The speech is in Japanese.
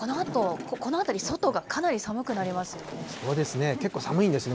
この辺り、外がかなり寒くなりますよね。